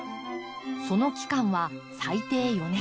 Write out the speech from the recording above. その期間は最低４年。